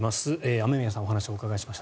雨宮さんにお話をお伺いしました。